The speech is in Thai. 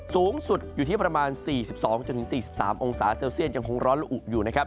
สูงสุดอยู่ที่ประมาณ๔๒๔๓องศาเซลเซียตยังคงร้อนละอุอยู่นะครับ